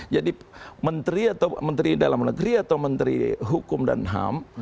jadi menteri dalam negeri atau menteri hukum dan ham